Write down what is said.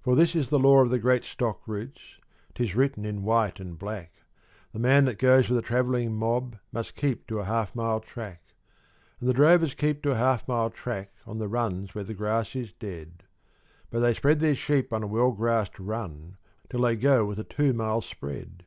For this is the law of the Great Stock Routes, 'tis written in white and black The man that goes with a travelling mob must keep to a half mile track; And the drovers keep to a half mile track on the runs where the grass is dead, But they spread their sheep on a well grassed run till they go with a two mile spread.